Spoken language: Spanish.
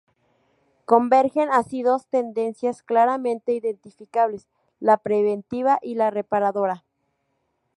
Convergen así dos tendencias claramente identificables, la preventiva y la reparadora.